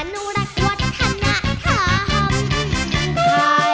อนุรักษ์วัฒนธรรม